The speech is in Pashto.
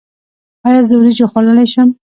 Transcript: ایا زه وریجې خوړلی شم؟